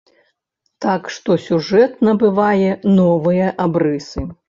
Так што сюжэт набывае новыя абрысы.